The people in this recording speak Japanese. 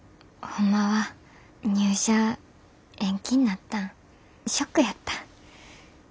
ホンマは入社延期になったんショックやった。